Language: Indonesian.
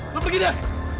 lu pergi dah